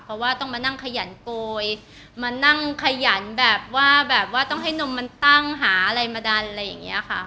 เพราะว่าต้องมานั่งขยันโกยมานั่งขยันแบบว่าแบบว่าต้องให้นมมันตั้งหาอะไรมาดันอะไรอย่างนี้ค่ะ